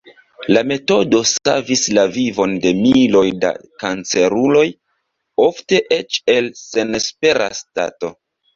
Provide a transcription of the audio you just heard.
La metodo savis la vivon de miloj da kanceruloj, ofte eĉ el senespera stato.